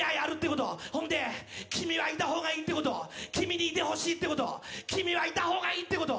ほんで君はいた方がいいってこと、君にいてほしいってこと君はいたほうがいいってこと。